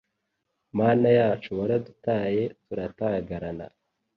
Mana yacu waradutaye turatagarana